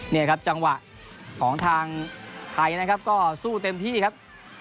นี่ครับจังหวะของทางไทยนะครับก็สู้เต็มที่ครับ